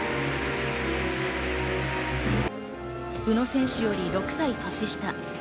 宇野選手より６歳年下。